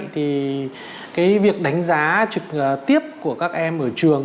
thì cái việc đánh giá trực tiếp của các em ở trường